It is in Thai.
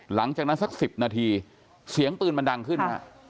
หลังจากนั้นสัก๑๐นาทีเสียงปืนมันดังขึ้นฮะ